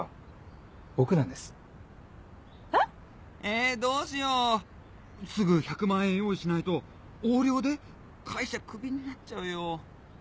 えどうしよう⁉すぐ１００万円用意しないと横領で会社クビになっちゃうよ。